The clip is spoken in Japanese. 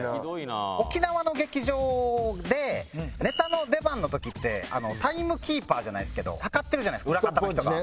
沖縄の劇場でネタの出番の時ってタイムキーパーじゃないですけど計ってるじゃないですか裏方の人が。